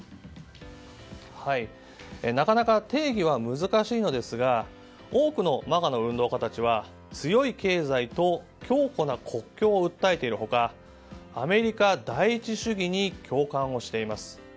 なかなか定義は難しいのですが多くのＭＡＧＡの運動家たちは強い経済と強固な国境を訴えている他アメリカ第一主義に共感をしています。